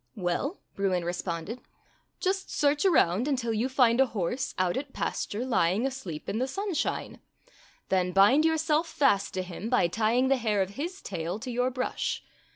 "Well," Bruin responded, "just search around until you find a horse out at pasture lying asleep in the sunshine. Then bind your seK fast to him by tying the hair of bis tail to your brush.